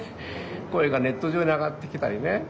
声がネット上に上がってきたりね